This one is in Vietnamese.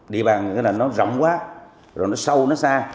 địa bàn nó rộng quá rồi nó sâu nó xa